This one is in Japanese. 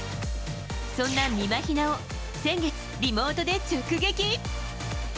そんな、みまひなを先月リモートで直撃。